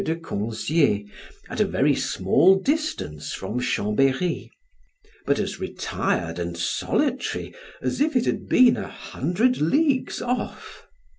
de Conzie, at a very small distance from Chambery; but as retired and solitary as if it had been a hundred leagues off.